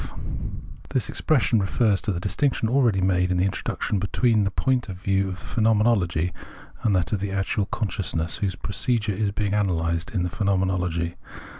But in point of * This expression refers to the distinction already made in tlie Intro duction, between the point of view of the Fhenoincnology and that of the actual consciousness whose procedure is being analysed in the Phenomen ology.